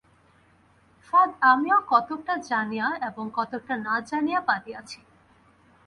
ফাঁদ আমিও কতকটা জানিয়া এবং কতকটা না জানিয়া পাতিয়াছি।